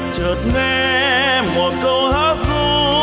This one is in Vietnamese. chợt nghe một câu hát ru